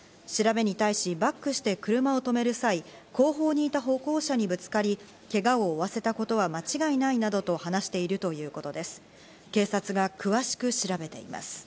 調べに対し、バックして車を停める際、後方にいた歩行者にぶつかり、けがを負わせたことは間違いないなどと話しているということです。